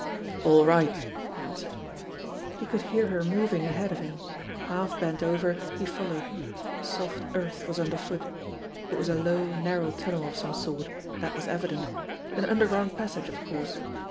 "All right !" he answered. He could hear her moving ahead of him. Half bent over, he followed. Soft earth was under foot. It was a low, narrow tunnel of some sort, that was evident. An under ground passage, of course.